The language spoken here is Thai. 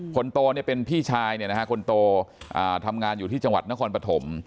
คนโตเป็นพี่ชายคนโตทำงานอยู่ที่จังหวัดนครปฐม